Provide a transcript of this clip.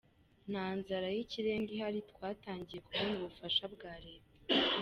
Nta nzara y’ikirenga ihari twatangiye kubona ubufasha bwa leta